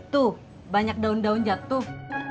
tuh banyak daun daun jatuh